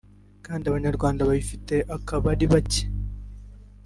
kandi abanyarwanda bayifite akaba ari bacye